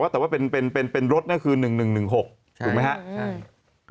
แต่ว่าเป็นรถนี่คือ๑๑๑๖ถูกไหมครับ